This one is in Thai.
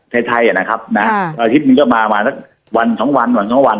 ในไทยอ่ะนะครับอ่าอาทิตย์นึงก็มามานักวันสองวันวันสองวัน